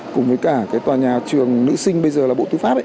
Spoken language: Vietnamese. cùng với cả tòa nhà trường nữ sinh bây giờ là bộ tư pháp